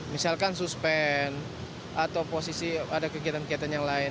misalkan suspen atau posisi ada kegiatan kegiatan yang lain